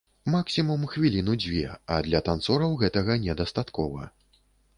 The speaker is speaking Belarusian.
Максімум хвіліну-дзве, а для танцораў гэтага недастаткова.